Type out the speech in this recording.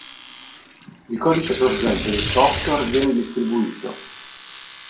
Il codice sorgente del software viene distribuito.